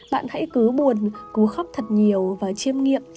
bạn hãy cứu buồn cứu khóc thật nhiều và chiêm nghiệm